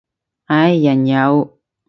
唉，人有